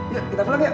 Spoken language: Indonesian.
yuk kita pulang yuk